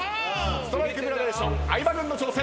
ストライクグラデーション相葉軍の挑戦。